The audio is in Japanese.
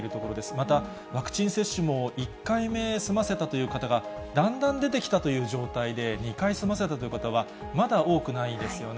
また、ワクチン接種も１回目済ませたという方がだんだん出てきたという状態で、２回済ませたという方は、まだ多くないんですよね。